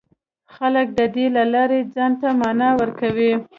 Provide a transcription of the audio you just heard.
خلک د دې له لارې ځان ته مانا ورکوي.